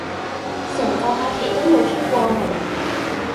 成個假期都無出過門